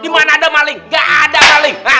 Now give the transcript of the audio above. dimana ada maling gak ada maling